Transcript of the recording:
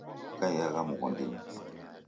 Ukaiagha mghondinyi